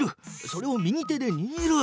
それを右手でにぎる。